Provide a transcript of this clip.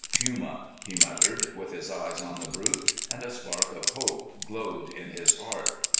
"Puma," he muttered, with his eyes on the brute, and a spark of hope glowed in his heart.